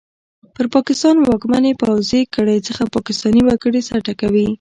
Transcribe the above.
پر پاکستان واکمنې پوځي کړۍ څخه پاکستاني وګړي سر ټکوي!